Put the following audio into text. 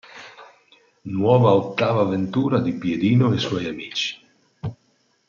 Nuova ottava avventura di Piedino e i suoi amici.